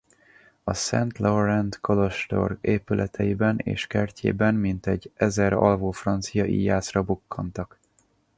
A Szent Laurent-kolostor épületeiben és kertjében mintegy ezer alvó francia íjászra bukkantak.